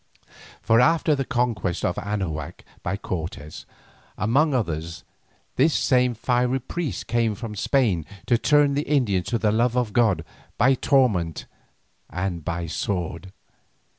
For after the conquest of Anahuac by Cortes, among others this same fiery priest came from Spain to turn the Indians to the love of God by torment and by sword.